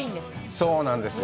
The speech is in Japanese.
そうなんですよ。